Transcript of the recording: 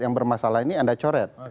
yang bermasalah ini anda coret